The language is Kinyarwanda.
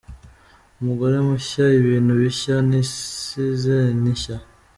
Umugore mushya, ibintu bishya n’isizeni nshya.